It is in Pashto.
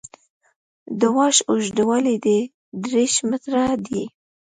د واش اوږدوالی دېرش متره دی